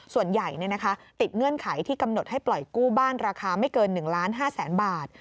ส่วนใหญ่ติดเงื่อนไขที่กำหนดให้ปล่อยกู้บ้านราคาไม่เกิน๑๕๐๐๐๐บาท